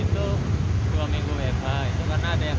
kita kebetulan di bidang makanan sih